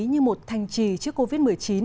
như một thanh trì trước covid một mươi chín